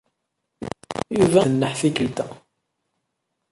Yuba ad iwet nneḥ tikkelt-a.